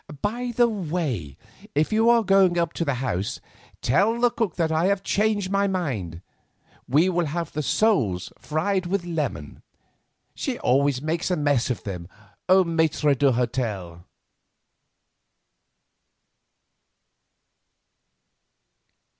By the way, if you are going up to the house, tell the cook that I have changed my mind, we will have the soles fried with lemon; she always makes a mess of them 'au maitre d'hotel.